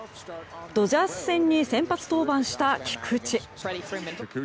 ドジャース戦に先発登板した菊池。